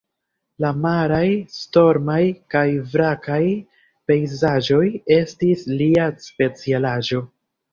La maraj, stormaj kaj vrakaj pejzaĝoj estis lia specialaĵo.